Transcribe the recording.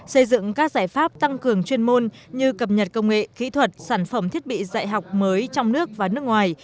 xây dựng các giải pháp tăng cường chuyên môn như cập nhật công nghệ kỹ thuật sản phẩm thiết bị dạy học mới trong nước và nước ngoài